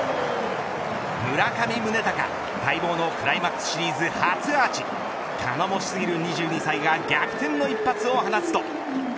村上宗隆、待望のクライマックスシリーズ初アーチ頼もしすぎる２２歳が逆転の一発を放つと。